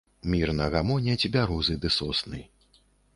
Мірна гамоняць бярозы ды сосны.